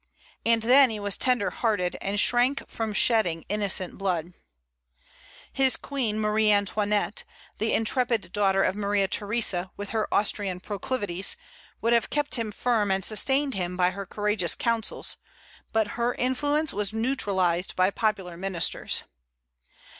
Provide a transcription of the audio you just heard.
And then he was tender hearted, and shrank from shedding innocent blood. His queen, Marie Antoinette, the intrepid daughter of Maria Theresa, with her Austrian proclivities, would have kept him firm and sustained him by her courageous counsels; but her influence was neutralized by popular ministers.